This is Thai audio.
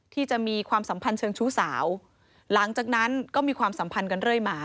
ที่จะมีความสัมพันธ์เชิงชู้สาวหลังจากนั้นก็มีความสัมพันธ์กันเรื่อยมา